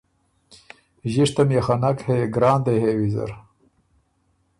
ݫِشتم يې خه نک هې ګران دې هې ویزر